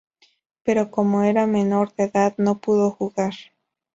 Pero como era menor de edad no pudo jugar.